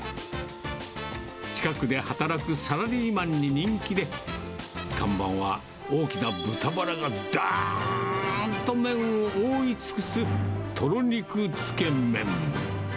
近くで働くサラリーマンに人気で、看板は大きな豚バラがどーんと麺を覆い尽くすとろ肉つけ麺。